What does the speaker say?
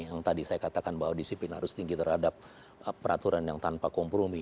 yang tadi saya katakan bahwa disiplin harus tinggi terhadap peraturan yang tanpa kompromi